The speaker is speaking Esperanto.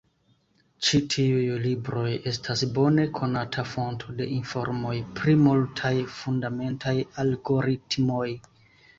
Ĉi tiuj libroj estas bone konata fonto de informoj pri multaj fundamentaj algoritmoj.